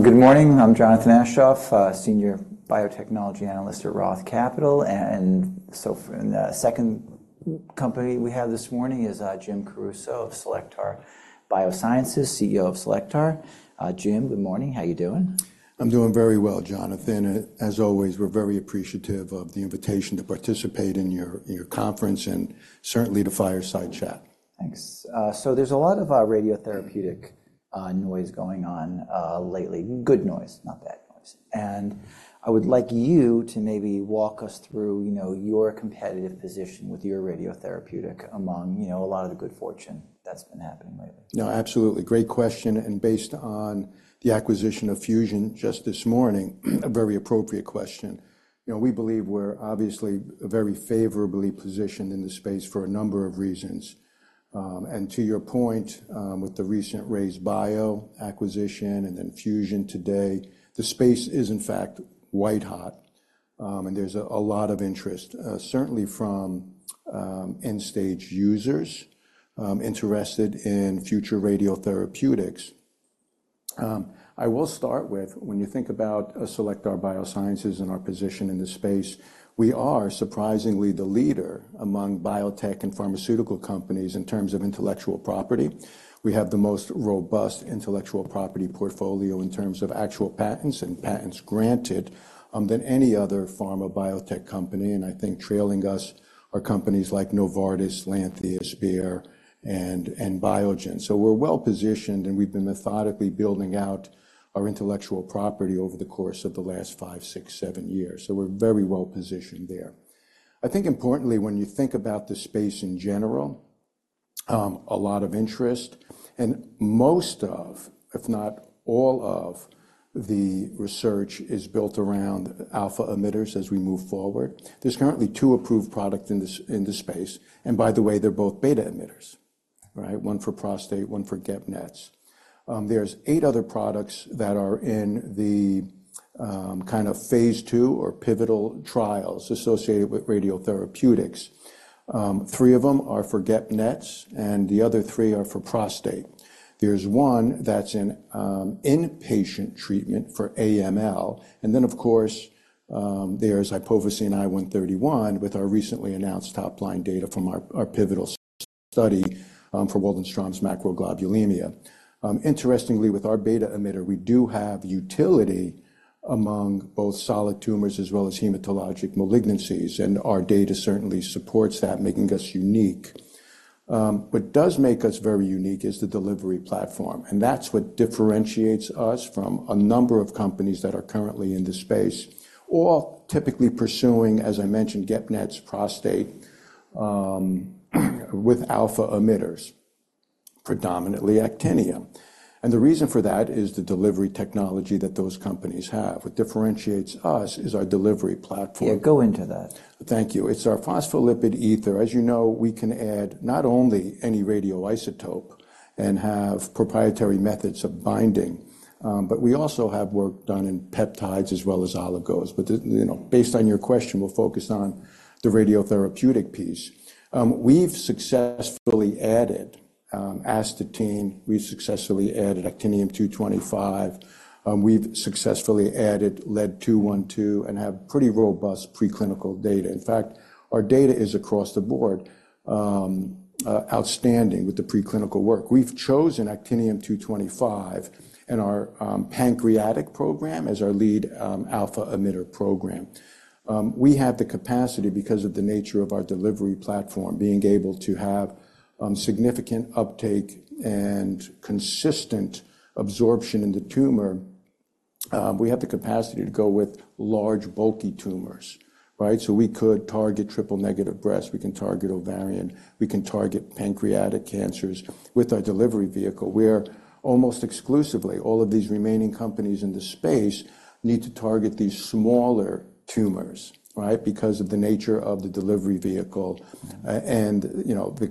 Good morning. I'm Jonathan Aschoff, Senior Biotechnology Analyst at Roth Capital. And so and the second company we have this morning is Jim Caruso of Cellectar Biosciences, CEO of Cellectar. Jim, good morning. How you doing? I'm doing very well, Jonathan. As always, we're very appreciative of the invitation to participate in your, your conference and certainly the fireside chat. Thanks. So there's a lot of radiotherapeutic noise going on lately. Good noise, not bad noise. And I would like you to maybe walk us through, you know, your competitive position with your radiotherapeutic among, you know, a lot of the good fortune that's been happening lately. No, absolutely. Great question, and based on the acquisition of Fusion just this morning, a very appropriate question. You know, we believe we're obviously very favorably positioned in the space for a number of reasons. And to your point, with the recent RayzeBio acquisition and then Fusion today, the space is, in fact, white-hot. And there's a lot of interest, certainly from end users interested in future radiotherapeutics. I will start with, when you think about Cellectar Biosciences and our position in the space, we are surprisingly the leader among biotech and pharmaceutical companies in terms of intellectual property. We have the most robust intellectual property portfolio in terms of actual patents and patents granted than any other pharma biotech company, and I think trailing us are companies like Novartis, Lantheus, Bayer, and Biogen. So we're well-positioned, and we've been methodically building out our intellectual property over the course of the last 5, 6, 7 years. So we're very well-positioned there. I think importantly, when you think about the space in general, a lot of interest, and most of, if not all of the research, is built around alpha emitters as we move forward. There's currently 2 approved products in this space, and by the way, they're both beta emitters, right? One for prostate, one for GEP-NETs. There's 8 other products that are in the kind of phase II or pivotal trials associated with radiotherapeutics. 3 of them are for GEP-NETs, and the other 3 are for prostate. There's one that's inpatient treatment for AML, and then, of course, there's iopofosine I-131 with our recently announced top-line data from our pivotal study for Waldenström's macroglobulinemia. Interestingly, with our beta emitter, we do have utility among both solid tumors as well as hematologic malignancies, and our data certainly supports that, making us unique. What does make us very unique is the delivery platform, and that's what differentiates us from a number of companies that are currently in this space, all typically pursuing, as I mentioned, GEP-NETs prostate, with alpha emitters, predominantly actinium. The reason for that is the delivery technology that those companies have. What differentiates us is our delivery platform. Yeah, go into that. Thank you. It's our phospholipid ether. As you know, we can add not only any radioisotope and have proprietary methods of binding, but we also have work done in peptides as well as oligos. But you know, based on your question, we're focused on the radiotherapeutic piece. We've successfully added astatine. We've successfully added actinium-225. We've successfully added lead-212, and have pretty robust preclinical data. In fact, our data is across the board outstanding with the preclinical work. We've chosen actinium-225 in our pancreatic program as our lead alpha emitter program. We have the capacity because of the nature of our delivery platform, being able to have significant uptake and consistent absorption in the tumor. We have the capacity to go with large, bulky tumors, right? So we could target triple-negative breast, we can target ovarian, we can target pancreatic cancers with our delivery vehicle, where almost exclusively, all of these remaining companies in this space need to target these smaller tumors, right? Because of the nature of the delivery vehicle, and, you know, the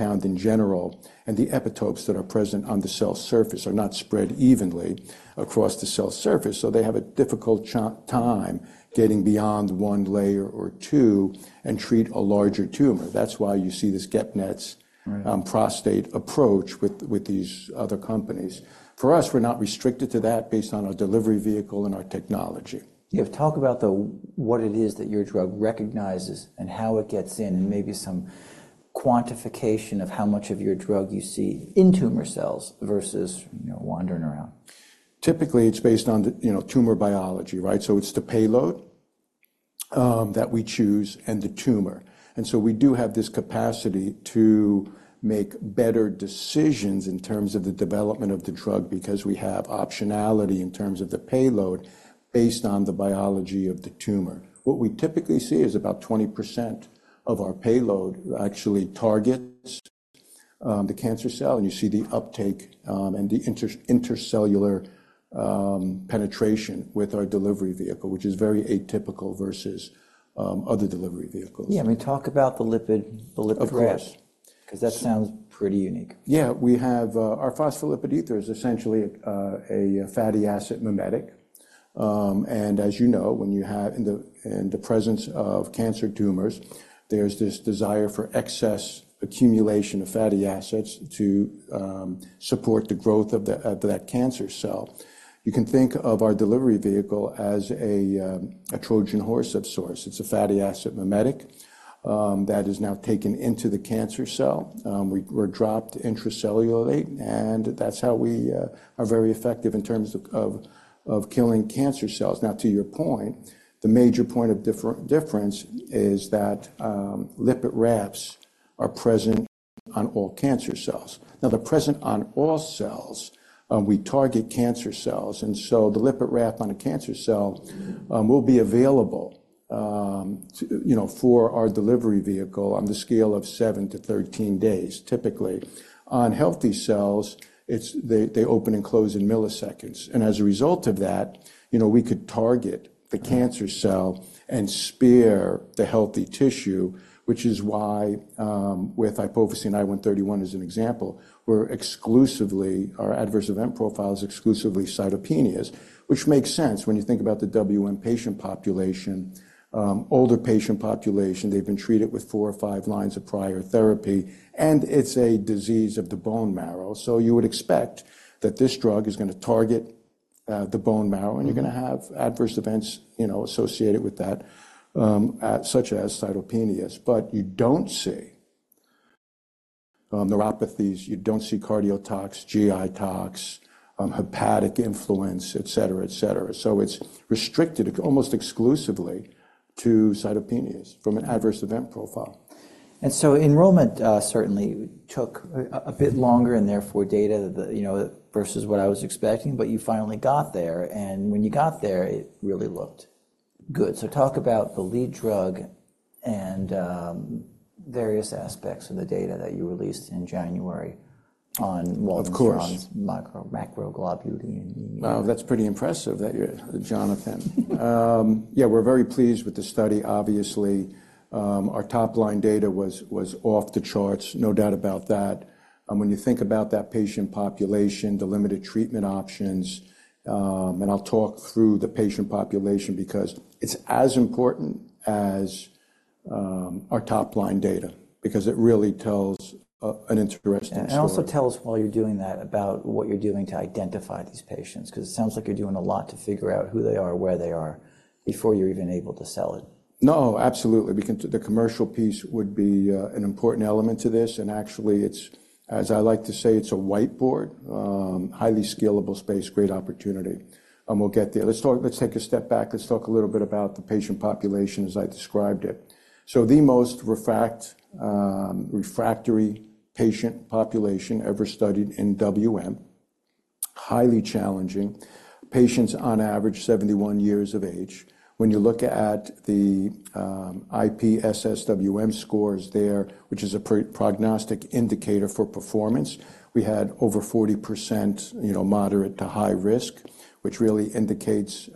compound in general, and the epitopes that are present on the cell surface are not spread evenly across the cell surface, so they have a difficult time getting beyond one layer or two and treat a larger tumor. That's why you see this GEP-NETs- Right... prostate approach with these other companies. For us, we're not restricted to that based on our delivery vehicle and our technology. Yeah, talk about what it is that your drug recognizes and how it gets in, and maybe some quantification of how much of your drug you see in tumor cells versus, you know, wandering around. Typically, it's based on the, you know, tumor biology, right? So it's the payload that we choose and the tumor, and so we do have this capacity to make better decisions in terms of the development of the drug because we have optionality in terms of the payload based on the biology of the tumor. What we typically see is about 20% of our payload actually targets the cancer cell, and you see the uptake and the intracellular penetration with our delivery vehicle, which is very atypical versus other delivery vehicles. Yeah, I mean, talk about the lipid part. Of course... 'cause that sounds pretty unique. Yeah, we have our phospholipid ether is essentially a fatty acid mimetic. And as you know, when you have in the presence of cancer tumors, there's this desire for excess accumulation of fatty acids to support the growth of that cancer cell. You can think of our delivery vehicle as a Trojan horse of sorts. It's a fatty acid mimetic that is now taken into the cancer cell. We're dropped intracellularly, and that's how we are very effective in terms of killing cancer cells. Now, to your point, the major point of difference is that lipid rafts are present on all cancer cells. Now, they're present on all cells, we target cancer cells, and so the lipid raft on a cancer cell, will be available, to, you know, for our delivery vehicle on the scale of 7-13 days, typically. On healthy cells, it's they open and close in milliseconds, and as a result of that, you know, we could target the cancer cell and spare the healthy tissue, which is why, with iopofosine I-131 as an example, we're exclusively our adverse event profile is exclusively cytopenias, which makes sense when you think about the WM patient population, older patient population. They've been treated with 4 or 5 lines of prior therapy, and it's a disease of the bone marrow. So you would expect that this drug is gonna target the bone marrow, and you're gonna have adverse events, you know, associated with that, such as cytopenias. But you don't see neuropathies, you don't see cardiotox, GI tox, hepatic influence, et cetera, et cetera. So it's restricted almost exclusively to cytopenias from an adverse event profile. So enrollment certainly took a bit longer, and therefore data that, you know, versus what I was expecting, but you finally got there, and when you got there, it really looked good. So talk about the lead drug and various aspects of the data that you released in January on Waldenström's- Of course. Macroglobulinemia. Wow, that's pretty impressive that you're, Jonathan. Yeah, we're very pleased with the study, obviously. Our top-line data was off the charts, no doubt about that. And when you think about that patient population, the limited treatment options, and I'll talk through the patient population because it's as important as our top-line data, because it really tells an interesting story. And also tell us, while you're doing that, about what you're doing to identify these patients, 'cause it sounds like you're doing a lot to figure out who they are, where they are, before you're even able to sell it? No, absolutely. We can the commercial piece would be an important element to this, and actually, it's, as I like to say, it's a whiteboard, highly scalable space, great opportunity, and we'll get there. Let's talk. Let's take a step back. Let's talk a little bit about the patient population as I described it. So the most refractory patient population ever studied in WM, highly challenging. Patients on average, 71 years of age. When you look at the IPSSWM scores there, which is a prognostic indicator for performance, we had over 40%, you know, moderate to high risk, which really indicates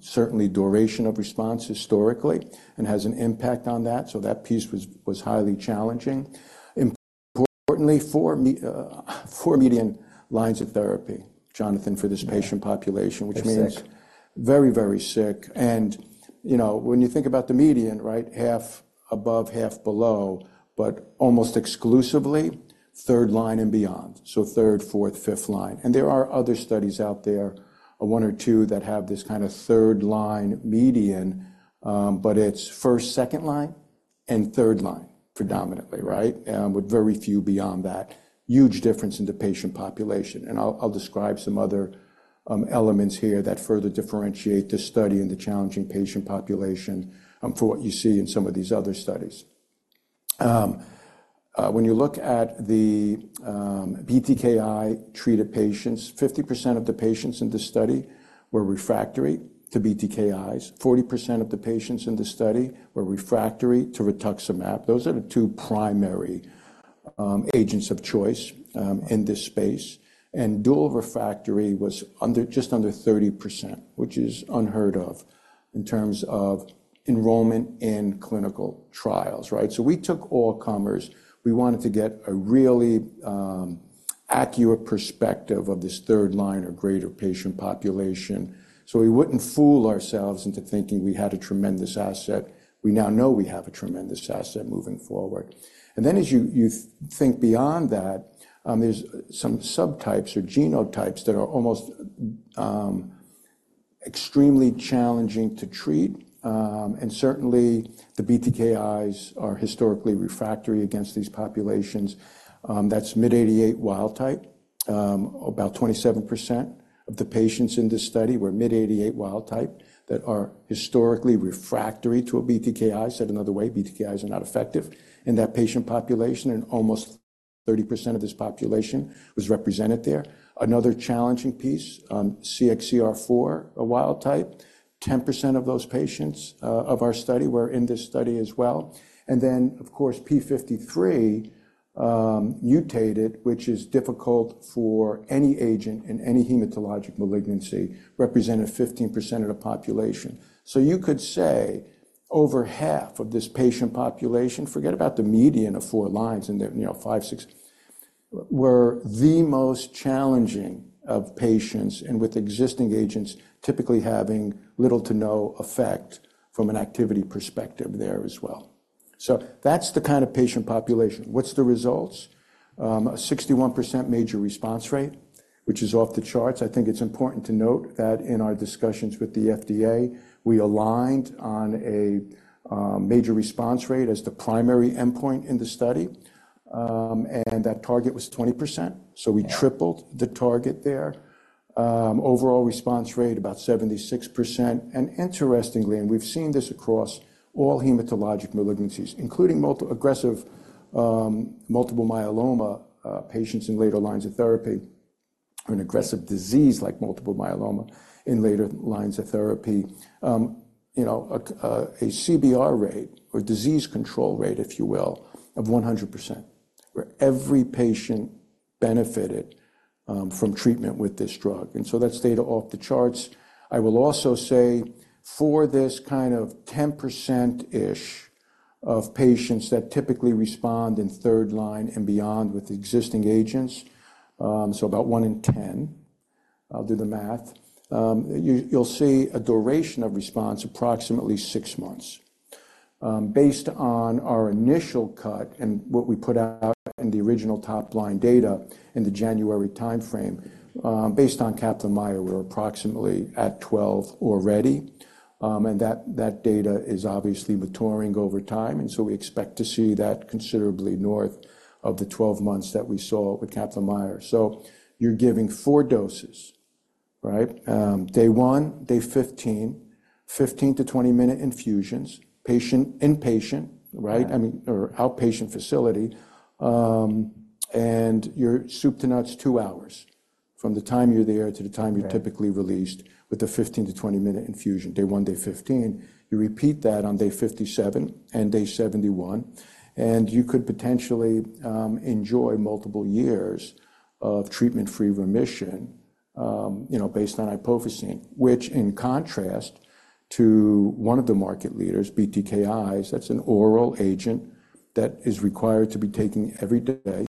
certainly duration of response historically and has an impact on that, so that piece was highly challenging. Importantly, for me, 4 median lines of therapy, Jonathan, for this patient population- They're sick. Which means very, very sick, and, you know, when you think about the median, right? Half above, half below, but almost exclusively third line and beyond, so third, fourth, fifth line. And there are other studies out there, one or two, that have this kind of third-line median, but it's first, second line and third line, predominantly, right? With very few beyond that. Huge difference in the patient population. And I'll describe some other elements here that further differentiate this study and the challenging patient population, for what you see in some of these other studies. When you look at the BTKi-treated patients, 50% of the patients in this study were refractory to BTKis. 40% of the patients in the study were refractory to rituximab. Those are the two primary agents of choice in this space, and dual refractory was under, just under 30%, which is unheard of in terms of enrollment in clinical trials, right? So we took all comers. We wanted to get a really accurate perspective of this third line or greater patient population, so we wouldn't fool ourselves into thinking we had a tremendous asset. We now know we have a tremendous asset moving forward. And then, as you think beyond that, there's some subtypes or genotypes that are almost extremely challenging to treat, and certainly, the BTKIs are historically refractory against these populations. That's MYD88 wild type. About 27% of the patients in this study were MYD88 wild type that are historically refractory to a BTKI. Said another way, BTKIs are not effective in that patient population, and almost 30% of this population was represented there. Another challenging piece, CXCR4, a wild type. 10% of those patients of our study were in this study as well. And then, of course, p53 mutated, which is difficult for any agent in any hematologic malignancy, represented 15% of the population. So you could say over half of this patient population, forget about the median of four lines, were the most challenging of patients and with existing agents typically having little to no effect from an activity perspective there as well. So that's the kind of patient population. What's the results? A 61% major response rate, which is off the charts. I think it's important to note that in our discussions with the FDA, we aligned on a major response rate as the primary endpoint in the study, and that target was 20%, so we tripled the target there. Overall response rate, about 76%. And interestingly, we've seen this across all hematologic malignancies, including aggressive multiple myeloma patients in later lines of therapy or an aggressive disease like multiple myeloma in later lines of therapy. You know, a CBR rate or disease control rate, if you will, of 100%, where every patient benefited from treatment with this drug. And so that's data off the charts. I will also say for this kind of 10%-ish of patients that typically respond in third line and beyond with existing agents, so about 1 in 10, I'll do the math. You'll see a duration of response, approximately 6 months. Based on our initial cut and what we put out in the original top-line data in the January timeframe, based on Kaplan-Meier, we're approximately at 12 already. And that data is obviously maturing over time, and so we expect to see that considerably north of the 12 months that we saw with Kaplan-Meier. So you're giving 4 doses, right? Day 1, day 15, 15- to 20-minute infusions, patient inpatient, right? I mean, or outpatient facility. And you're soup to nuts, two hours from the time you're there to the time you're typically released with a 15- to 20-minute infusion, day 1, day 15. You repeat that on day 57 and day 71, and you could potentially enjoy multiple years of treatment-free remission, you know, based on iopofosine. Which in contrast to one of the market leaders, BTKIs, that's an oral agent that is required to be taking every day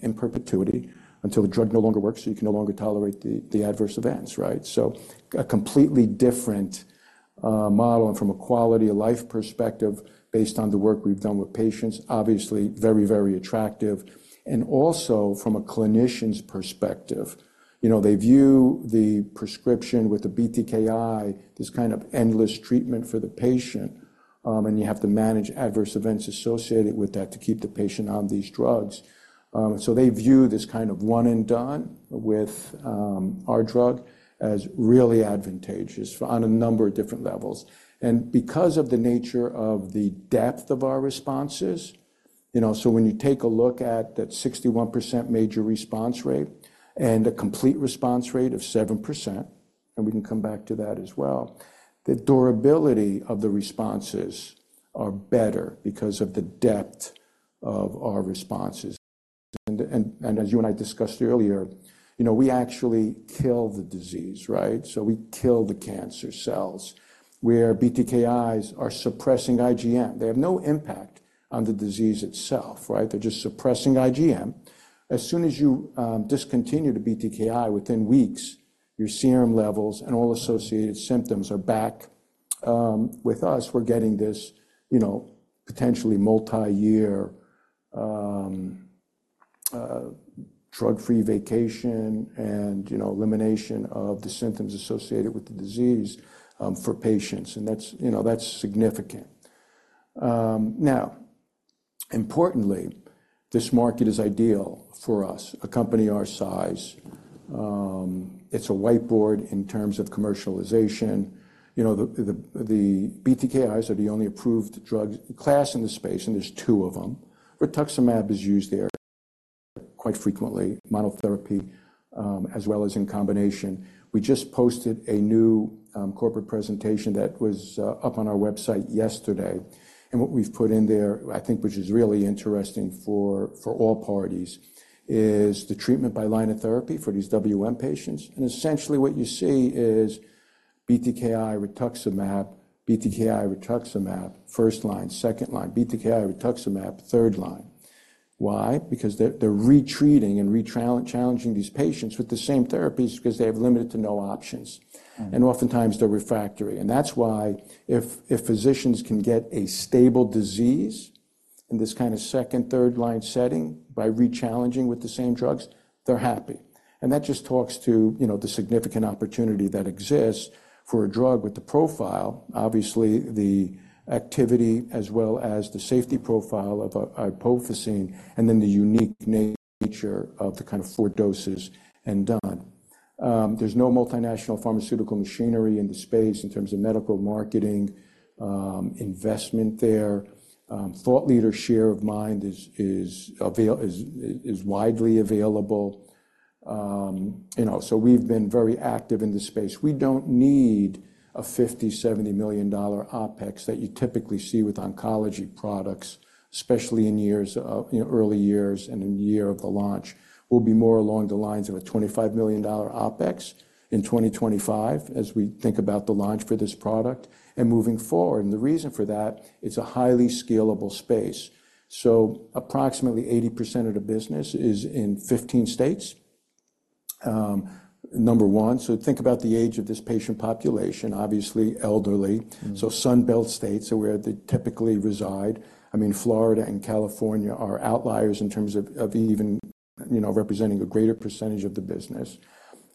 in perpetuity until the drug no longer works, so you can no longer tolerate the adverse events, right? So a completely different model and from a quality of life perspective, based on the work we've done with patients, obviously very, very attractive. And also from a clinician's perspective, you know, they view the prescription with the BTKi, this kind of endless treatment for the patient, and you have to manage adverse events associated with that to keep the patient on these drugs. So they view this kind of one and done with our drug as really advantageous for on a number of different levels. And because of the nature of the depth of our responses, you know, so when you take a look at that 61% major response rate and a complete response rate of 7%, and we can come back to that as well, the durability of the responses are better because of the depth of our responses. And, and, and as you and I discussed earlier, you know, we actually kill the disease, right? So we kill the cancer cells, where BTKis are suppressing IgM. They have no impact on the disease itself, right? They're just suppressing IgM. As soon as you discontinue the BTKI, within weeks, your serum levels and all associated symptoms are back. With us, we're getting this, you know, potentially multiyear drug-free vacation and, you know, elimination of the symptoms associated with the disease for patients, and that's, you know, that's significant. Now, importantly, this market is ideal for us, a company our size. It's a whiteboard in terms of commercialization. You know, the BTKIs are the only approved drug class in this space, and there's two of them. Rituximab is used there quite frequently, monotherapy, as well as in combination. We just posted a new corporate presentation that was up on our website yesterday. And what we've put in there, I think, which is really interesting for all parties, is the treatment by line of therapy for these WM patients. And essentially, what you see is BTKI, rituximab, BTKI, rituximab, first line, second line, BTKI, rituximab, third line. Why? Because they're retreating and rechallenging these patients with the same therapies because they have limited to no options, and oftentimes they're refractory. And that's why if physicians can get a stable disease in this kind of second, third line setting by rechallenging with the same drugs, they're happy. And that just talks to, you know, the significant opportunity that exists for a drug with the profile, obviously, the activity as well as the safety profile of iopofosine, and then the unique nature of the kind of four doses and done. There's no multinational pharmaceutical machinery in the space in terms of medical marketing, investment there. Thought leader share of mind is widely available. You know, so we've been very active in this space. We don't need a $50-$70 million OpEx that you typically see with oncology products, especially in years of, you know, early years and in the year of the launch. It will be more along the lines of a $25 million OpEx in 2025 as we think about the launch for this product and moving forward. And the reason for that, it's a highly scalable space. So approximately 80% of the business is in 15 states. Number one, so think about the age of this patient population, obviously elderly. So Sun Belt states are where they typically reside. I mean, Florida and California are outliers in terms of even, you know, representing a greater percentage of the business.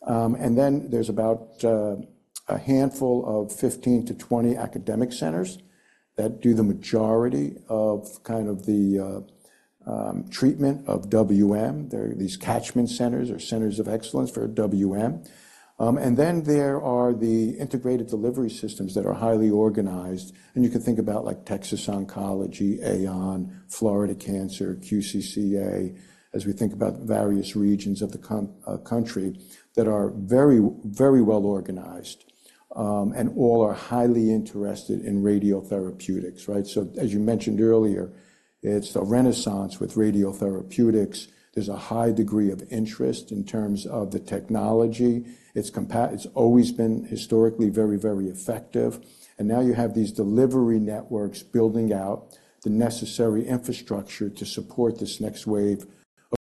And then there's about a handful of 15-20 academic centers that do the majority of kind of the treatment of WM. They're these catchment centers or centers of excellence for WM. And then there are the integrated delivery systems that are highly organized, and you can think about, like, Texas Oncology, AON, Florida Cancer, QCCA, as we think about various regions of the country that are very, very well organized, and all are highly interested in radiotherapeutics, right? So as you mentioned earlier, it's a renaissance with radiotherapeutics. There's a high degree of interest in terms of the technology. It's always been historically very, very effective. And now you have these delivery networks building out the necessary infrastructure to support this next wave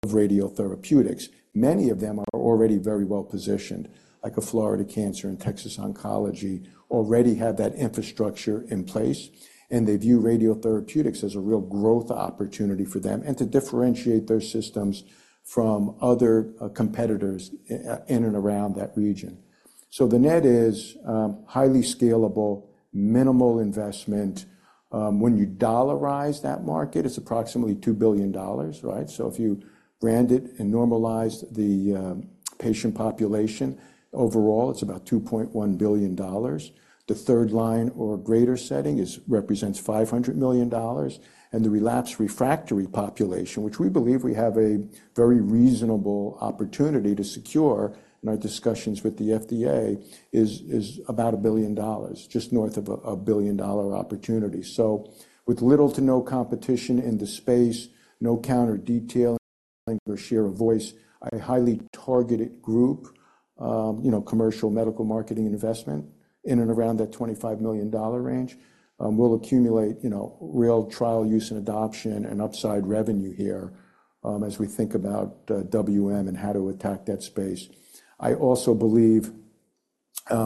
of radiotherapeutics. Many of them are already very well-positioned, like a Florida Cancer and Texas Oncology already have that infrastructure in place, and they view radiotherapeutics as a real growth opportunity for them and to differentiate their systems from other, competitors in and around that region. So the net is, highly scalable, minimal investment. When you dollarize that market, it's approximately $2 billion, right? So if you brand it and normalize the, patient population, overall, it's about $2.1 billion. The third line or greater setting represents $500 million, and the relapse refractory population, which we believe we have a very reasonable opportunity to secure in our discussions with the FDA, is about $1 billion, just north of a $1 billion opportunity. So with little to no competition in the space, no counter detailing or share of voice, a highly targeted group, you know, commercial medical marketing investment in and around that $25 million range, will accumulate, you know, real trial use and adoption and upside revenue here, as we think about WM and how to attack that space. I also believe,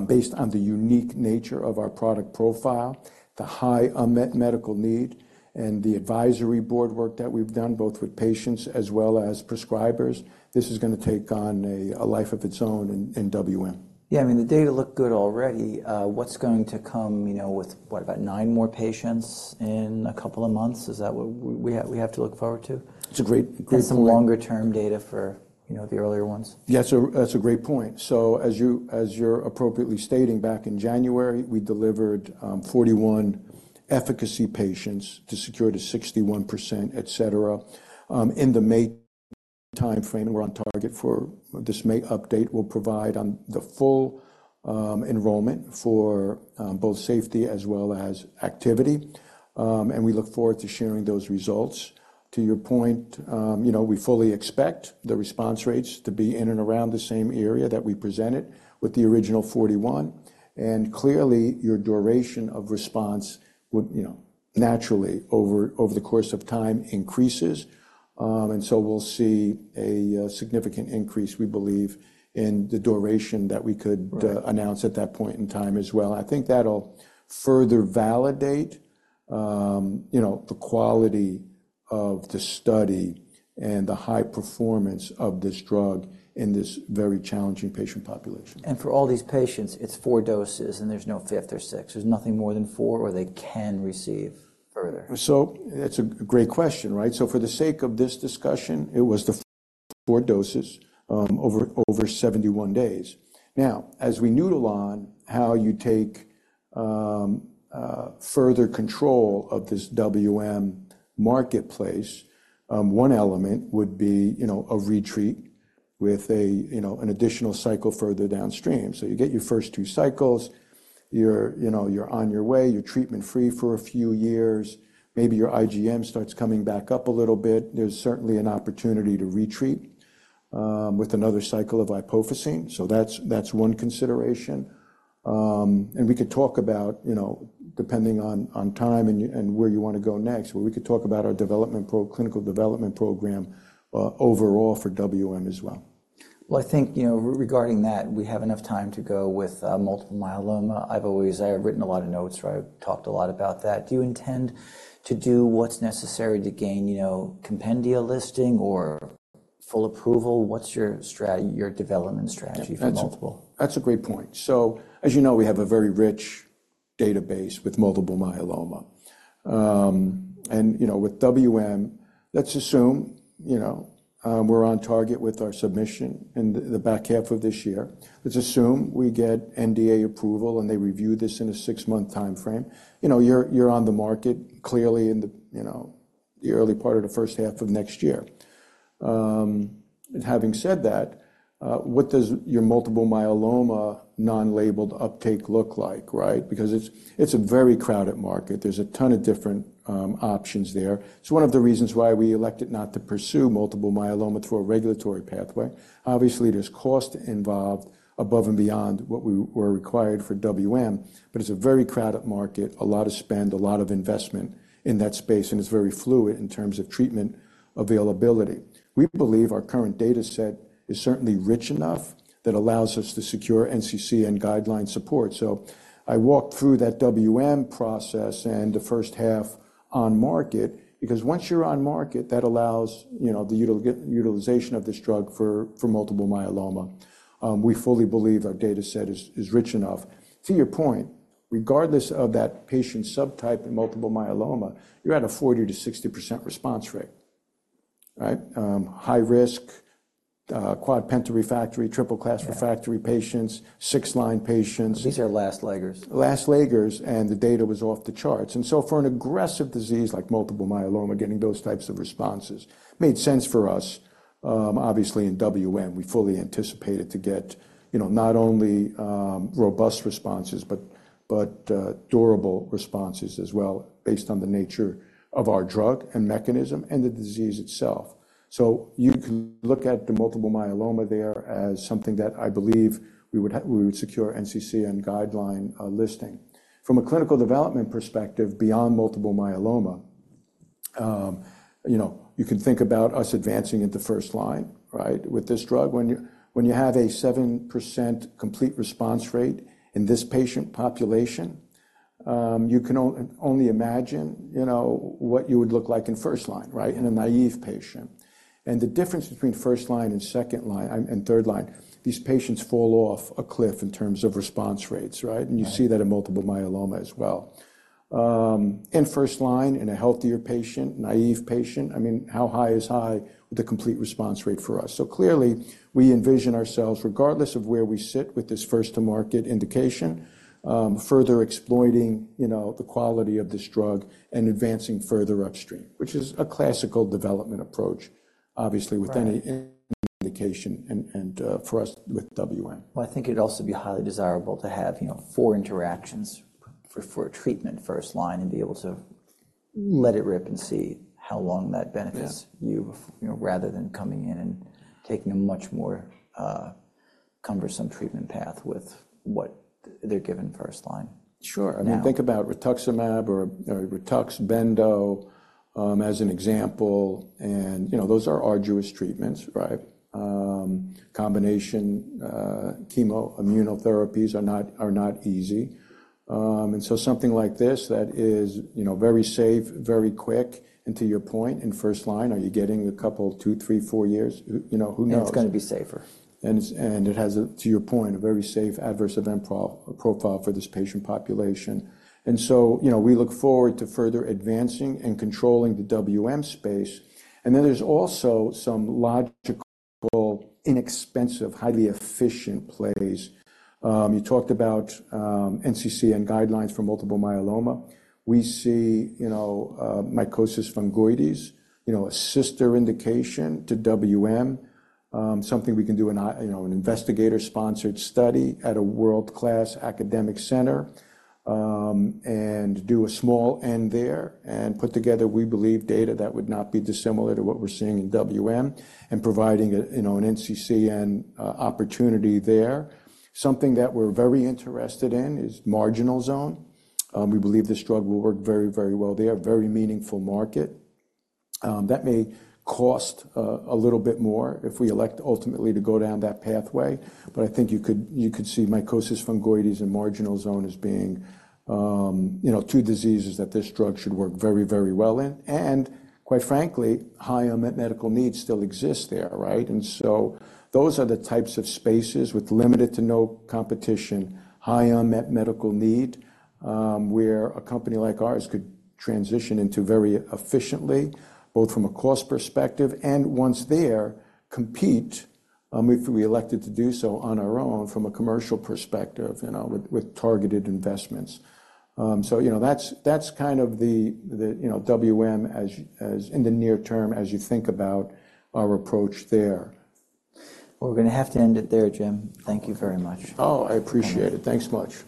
based on the unique nature of our product profile, the high unmet medical need, and the advisory board work that we've done, both with patients as well as prescribers, this is gonna take on a life of its own in WM. Yeah, I mean, the data look good already. What's going to come, you know, with, what, about 9 more patients in a couple of months? Is that what we have, we have to look forward to? It's a great, great point. Some longer-term data for, you know, the earlier ones. Yeah, so that's a great point. So as you, as you're appropriately stating, back in January, we delivered, 41 efficacy patients to secure the 61%, etc. In the May timeframe, we're on target for... This May update will provide, the full, enrollment for, both safety as well as activity. And we look forward to sharing those results. To your point, you know, we fully expect the response rates to be in and around the same area that we presented with the original 41. And clearly, your duration of response would, you know, naturally, over, over the course of time, increases. And so we'll see a, significant increase, we believe, in the duration that we could- Right... announce at that point in time as well. I think that'll further validate, you know, the quality of the study and the high performance of this drug in this very challenging patient population. For all these patients, it's four doses, and there's no fifth or sixth. There's nothing more than four, or they can receive further? So that's a great question, right? So for the sake of this discussion, it was the four doses over 71 days. Now, as we noodle on how you take further control of this WM marketplace, one element would be, you know, a retreat with, you know, an additional cycle further downstream. So you get your first two cycles, you're, you know, you're on your way, you're treatment-free for a few years. Maybe your IgM starts coming back up a little bit. There's certainly an opportunity to retreat with another cycle of iopofosine. So that's one consideration. And we could talk about, you know, depending on time and where you want to go next, where we could talk about our clinical development program overall for WM as well. Well, I think, you know, regarding that, we have enough time to go with multiple myeloma. I've always... I have written a lot of notes, right? I've talked a lot about that. Do you intend to do what's necessary to gain, you know, compendia listing or full approval? What's your strategy for multiple? That's a great point. So as you know, we have a very rich database with multiple myeloma. And, you know, with WM, let's assume, you know, we're on target with our submission in the back half of this year. Let's assume we get NDA approval, and they review this in a six-month timeframe. You know, you're on the market clearly in the, you know, the early part of the first half of next year. And having said that, what does your multiple myeloma non-labeled uptake look like, right? Because it's a very crowded market. There's a ton of different, options there. It's one of the reasons why we elected not to pursue multiple myeloma through a regulatory pathway. Obviously, there's cost involved above and beyond what we were required for WM, but it's a very crowded market, a lot of spend, a lot of investment in that space, and it's very fluid in terms of treatment availability. We believe our current data set is certainly rich enough that allows us to secure NCCN guideline support. So I walked through that WM process and the first half on market, because once you're on market, that allows, you know, the utilization of this drug for, for multiple myeloma. We fully believe our data set is rich enough. To your point, regardless of that patient subtype in multiple myeloma, you're at a 40%-60% response rate, right? High risk, quad/penta refractory, triple-class refractory patients- Yeah. 6-line patients. These are last laggards. Last laggers, and the data was off the charts. So for an aggressive disease like multiple myeloma, getting those types of responses made sense for us. Obviously, in WM, we fully anticipated to get, you know, not only robust responses, but durable responses as well, based on the nature of our drug and mechanism and the disease itself. So you can look at the multiple myeloma there as something that I believe we would secure NCCN guideline listing. From a clinical development perspective, beyond multiple myeloma, you know, you can think about us advancing at the first line, right? With this drug. When you, when you have a 7% complete response rate in this patient population, you can only imagine, you know, what you would look like in first line, right? Yeah. In a naive patient. The difference between first line and second line, and third line, these patients fall off a cliff in terms of response rates, right? Right. You see that in multiple myeloma as well. In first line, in a healthier patient, naive patient, I mean, how high is high with a complete response rate for us? So clearly, we envision ourselves, regardless of where we sit with this first to market indication, further exploiting, you know, the quality of this drug and advancing further upstream, which is a classical development approach, obviously. Right. With any indication, for us, with WM. Well, I think it'd also be highly desirable to have, you know, four interactions for a treatment first line, and be able to let it rip and see how long that benefits- Yeah... you know, rather than coming in and taking a much more cumbersome treatment path with what they're given first line. Sure. Now- I mean, think about rituximab or Rituxan, as an example, and, you know, those are arduous treatments, right? Combination chemo immunotherapies are not, are not easy. And so something like this that is, you know, very safe, very quick, and to your point, in first line, are you getting a couple, two, three, four years? You know, who knows? It's gonna be safer. And it has, to your point, a very safe adverse event profile for this patient population. And so, you know, we look forward to further advancing and controlling the WM space. And then there's also some logical, inexpensive, highly efficient plays. You talked about NCCN guidelines for multiple myeloma. We see, you know, mycosis fungoides, you know, a sister indication to WM, something we can do, you know, an investigator-sponsored study at a world-class academic center, and do a small n there and put together, we believe, data that would not be dissimilar to what we're seeing in WM and providing a, you know, an NCCN opportunity there. Something that we're very interested in is marginal zone. We believe this drug will work very, very well there, very meaningful market. That may cost a little bit more if we elect ultimately to go down that pathway, but I think you could, you could see mycosis fungoides and marginal zone as being, you know, two diseases that this drug should work very, very well in, and quite frankly, high unmet medical needs still exist there, right? And so those are the types of spaces with limited to no competition, high unmet medical need, where a company like ours could transition into very efficiently, both from a cost perspective and once there, compete, if we elected to do so on our own from a commercial perspective, you know, with, with targeted investments. So, you know, that's kind of the, you know, WM as in the near term, as you think about our approach there. We're gonna have to end it there, Jim. Thank you very much. Oh, I appreciate it. Okay. Thanks much.